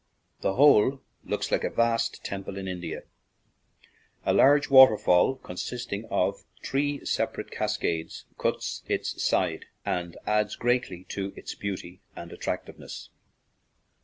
The whole looks like a vast temple in India. A large water fall, consisting of three sep arate cascades, cuts its side and adds greatly to its beauty and attractiveness.